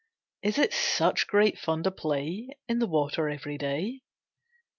Is it such great fun to play In the water every day?